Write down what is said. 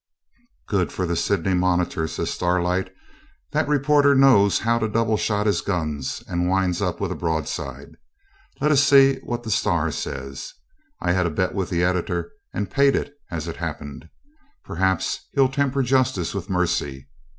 'Good for the "Sydney Monitor",' says Starlight; 'that reporter knows how to double shot his guns, and winds up with a broadside. Let us see what the "Star" says. I had a bet with the editor, and paid it, as it happened. Perhaps he'll temper justice with mercy.